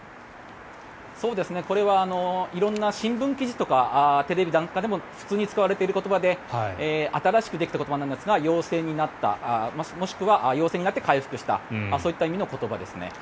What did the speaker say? これは色んな新聞記事とかテレビなんかでも普通に使われている言葉で新しくできた言葉なんですが陽性になったもしくは陽性になって回復したそういった意味の言葉ですね。